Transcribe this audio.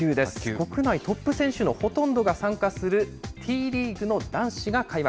国内トップ選手のほとんどが参加するＴリーグの男子が開幕。